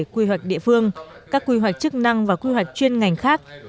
quy hoạch địa phương các quy hoạch chức năng và quy hoạch chuyên ngành khác